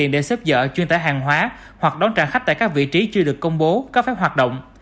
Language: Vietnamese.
để xếp dở chuyên tải hàng hóa hoặc đón trả khách tại các vị trí chưa được công bố cấp phép hoạt động